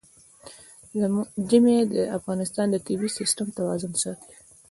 ژمی د افغانستان د طبعي سیسټم توازن ساتي.